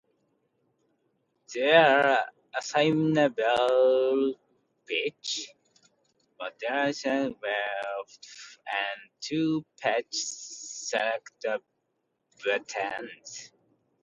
There are assignable pitch, modulation wheels, and two patch select buttons.